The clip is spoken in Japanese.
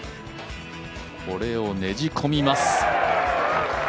これをねじ込みます。